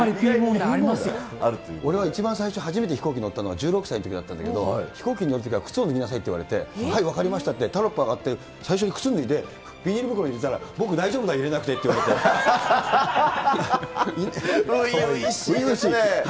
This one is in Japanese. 俺は一番最初、初めて飛行機に乗ったのが１６歳のときだったんだけど、飛行機に乗るときは靴を脱ぎなさいって言われて、はい、分かりましたって、タラップ上がって、最初に靴脱いで、ビニール袋に入れたら、僕大丈夫だよ、入れなく初々しいですね。